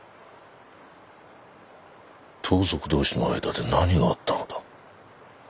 盗賊同士の間で何があったのだ？